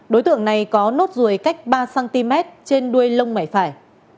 đối tượng này có nốt ruồi cách ba cm trên đuôi lông mảy phải